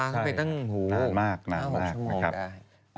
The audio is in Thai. ใช่นานมากนะครับ๕ชั่วโมงได้